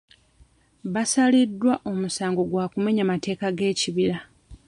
Basaliddwa omusango gwa kumenya mateeka g'ekibira.